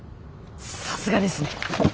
さすがですね。